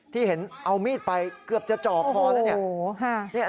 ที่เห็นเอามีดไปเกือบจะจ่อคอแล้วเนี่ย